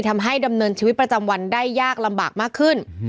ทำให้ดำเนินชีวิตประจำวันได้ยากลำบากมากขึ้น